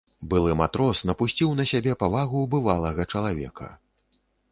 Былы матрос напусціў на сябе павагу бывалага чалавека.